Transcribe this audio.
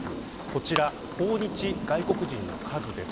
こちら、訪日外国人の数です。